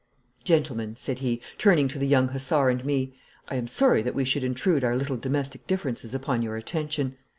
'Gentlemen,' said he, turning to the young hussar and me,' I am sorry that we should intrude our little domestic differences upon your attention.